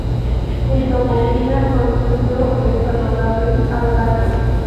En Tocopilla construyó el ferrocarril al Toco.